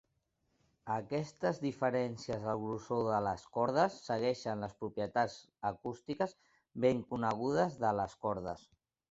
Aquestes diferències al grossor de les cordes segueixen les propietats acústiques ben conegudes de les cordes.